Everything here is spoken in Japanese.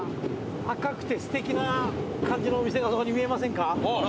赤くてすてきな感じのお店がそこに見えませんか？